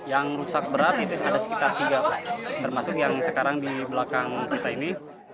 yang rusak berat itu ada sekitar tiga pak termasuk yang sekarang di belakang kita ini